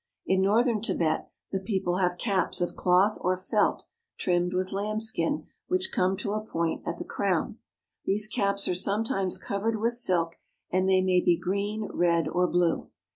In northern Tibet the people have caps of cloth or felt trimmed with lambskin which come to a point at the crown. These caps are sometimes covered with silk, and they may be green, red, or blue.